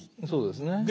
そうですね。